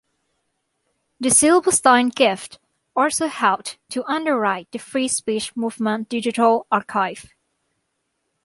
The Silberstein gift also helped to underwrite the Free Speech Movement Digital Archive.